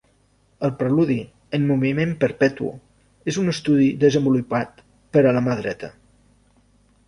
El preludi, en moviment perpetu, és un estudi desenvolupat per a la mà dreta.